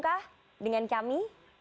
kah dengan kami